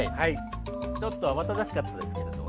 ちょっと慌ただしかったですけれども。